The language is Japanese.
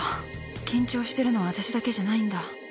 緊張してるのはわたしだけじゃないんだ